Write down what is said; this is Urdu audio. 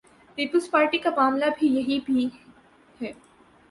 پیپلزپارٹی کا معاملہ بھی یہی بھی ہے۔